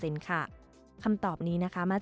และการบริการผู้โดยสาร๑๒๗๕ราย